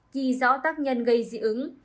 ghi rõ tác nhân gây dị ứng